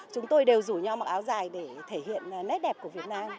chúng tôi đều rủ nhau mặc áo dài để thể hiện nét đẹp của việt nam